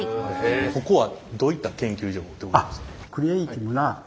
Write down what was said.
ここはどういった研究所でございますか？